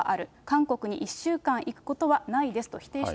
韓国に１週間行くことはないです